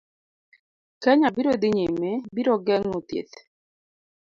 Kenya biro dhi nyime, biro geng'o thieth